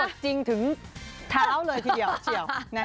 กดจริงถึงเท้าเลยทีเดียว